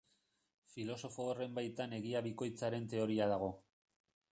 Filosofo horren baitan egia bikoitzaren teoria dago.